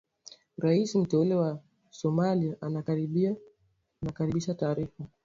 Rais mteule wa Somalia anakaribisha taarifa